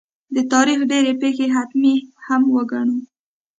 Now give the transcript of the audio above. د تاریخ ډېرې پېښې حتمي هم وګڼو.